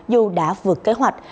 dù đã vượt kế hoạch